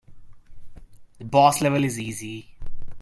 The boss level is easy.